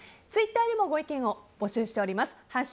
ツイッターでもご意見を募集しております。